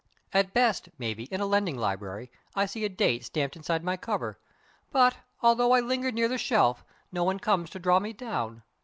At best, maybe, in a lending library, I see a date stamped inside my cover; but, although I linger near the shelf, no one comes to draw me down.